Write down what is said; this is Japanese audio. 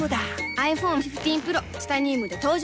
ｉＰｈｏｎｅ１５Ｐｒｏ チタニウムで登場